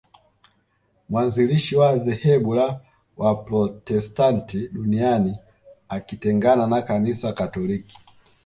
Mwanzilishi wa dhehebu la Waprotestant duniani akitengana na Kanisa katoliki